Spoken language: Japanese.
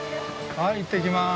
はい行ってきます。